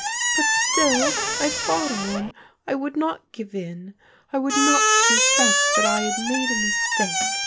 But still I fought on. I would not give in. I .would not confess that I had made a mistake.